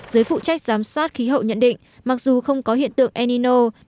giới phụ trách giám sát khí hậu nhận định mặc dù không có hiện tượng enino